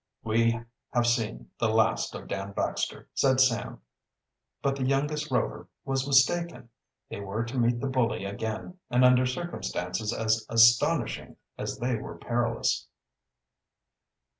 "We have seen the last of Dan Baxter," said Sam. But the youngest Rover was mistaken. They were to meet the bully again, and under circumstances as astonishing as they were perilous.